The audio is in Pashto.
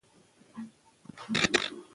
موږ ته هېڅ خنډ مخه نشي نیولی.